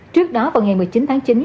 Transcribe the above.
trước đó vào ngày một mươi chín tháng chín